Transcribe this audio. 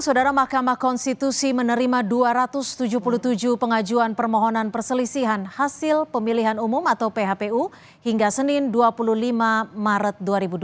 saudara mahkamah konstitusi menerima dua ratus tujuh puluh tujuh pengajuan permohonan perselisihan hasil pemilihan umum atau phpu hingga senin dua puluh lima maret dua ribu dua puluh